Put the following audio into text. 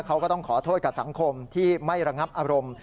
เขาก็ต้องขอโทษกับสังคมที่ไม่ระงับอารมณ์